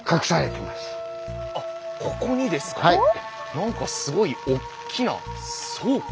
何かすごいおっきな倉庫？